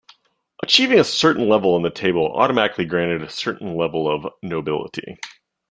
Achieving a certain level in the table automatically granted a certain level of nobility.